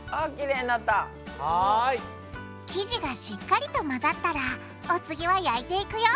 生地がしっかりとまざったらお次は焼いていくよ。